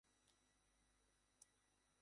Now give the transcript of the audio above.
এতদিন পরে গোরা আবার কোমর বাঁধিল।